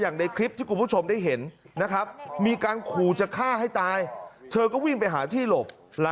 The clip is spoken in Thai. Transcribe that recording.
นะครับเธอวิ่งหนีฮะ